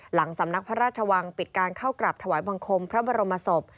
หลังสำนักพระราชวังปิดการเข้ากราบถวายบังคมพระบรมศพ